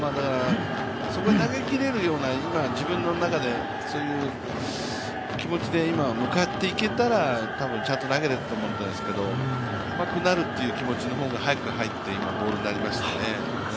そこに投げきれるような、自分の中でそういう気持ちで向かっていけたらちゃんと投げれたと思うんですけど、甘くなるという気持ちの方が早く入って、今ボールになりましたね。